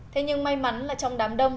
thế nhưng may mắn là trong đám đông